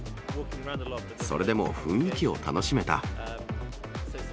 それでも雰囲気を楽しめた。